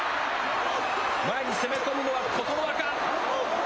前に攻め込むのは琴ノ若。